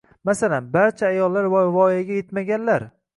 Masalan, barcha ayollar va voyaga etmaganlar